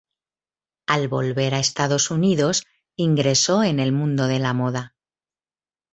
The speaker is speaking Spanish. Al volver a Estados Unidos, ingresó en el mundo de la moda.